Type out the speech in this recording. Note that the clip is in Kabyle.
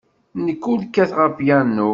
Nekk ur kkateɣ apyanu.